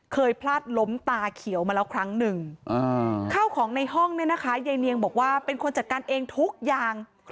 เคยพลาดล้มตาเขียวมาแล้วครั้งหนึ่งข้าวของในห้องเนี่ยนะคะยายเนียงบอกว่าเป็นคนจัดการเองทุกอย่าง